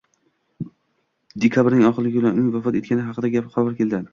Dekabrning oxirgi kunlarida uning vafot etgani haqida xabar keldi